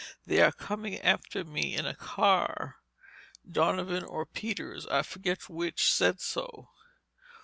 "They are coming after me in a car. Donovan or Peters, I forget which, said so."